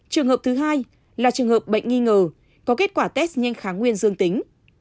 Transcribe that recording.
trường hợp thứ hai là trường hợp bệnh nghi ngờ có kết quả test nhanh kháng nguyên dương tính